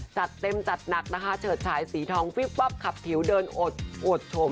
จัดเต็มจัดหนักนะคะเฉิดฉายสีทองวิบวับขับผิวเดินอดชม